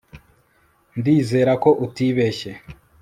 Ndizera ko utibeshye